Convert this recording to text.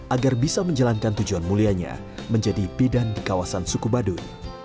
agar bisa menjalankan tujuan mulianya menjadi bidan di kawasan suku baduy